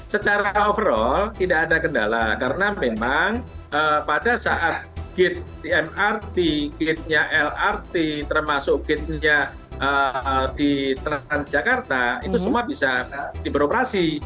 secara overall tidak ada kendala karena memang pada saat gate mrt gate nya lrt termasuk gate nya di transjakarta itu semua bisa diberoperasi